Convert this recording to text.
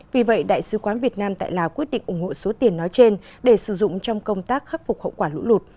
vì vậy đại sứ quán việt nam tại lào quyết định ủng hộ số tiền nói trên để sử dụng trong công tác khắc phục hậu quả lũ lụt